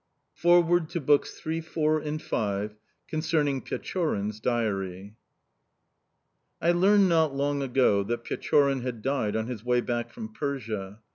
FOREWORD TO BOOKS III, IV, AND V CONCERNING PECHORIN'S DIARY I LEARNED not long ago that Pechorin had died on his way back from Persia.